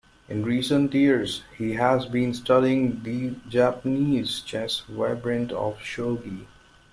In recent years, he has been studying the Japanese chess variant of shogi.